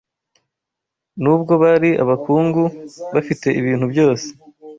Nubwo bari abakungu bafite ibintu byose